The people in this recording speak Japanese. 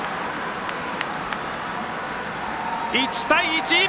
１対１！